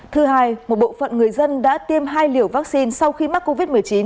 thứ hai một bộ phận người dân đã tiêm hai liều vaccine sau khi mắc covid một mươi chín